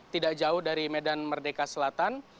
tidak jauh dari medan merdeka selatan